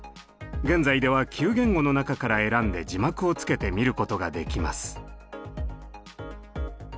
現在では９言語の中から選んで字幕をつけて見ることができます。